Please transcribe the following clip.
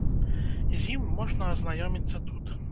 З ім можна азнаёміцца тут.